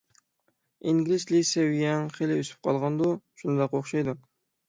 _ ئىنگلىز تىلى سەۋىيەڭ خېلى ئۆسۈپ قالغاندۇ؟ _ شۇنداق ئوخشايدۇ.